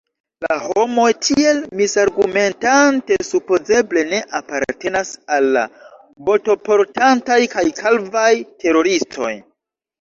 La homoj tiel misargumentante supozeble ne apartenas al la botoportantaj kaj kalvaj teroristoj.